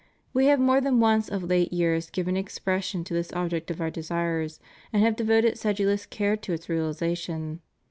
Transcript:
We have more than once of late years given expression to this object of Our desires, and have devoted sedulous care to its realization.